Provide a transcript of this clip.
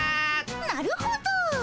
なるほど。